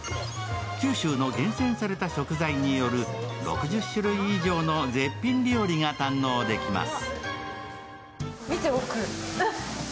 九州の厳選された食材による６０種類以上の絶品料理が堪能できます。